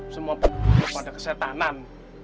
semua bergulung pada kesetanan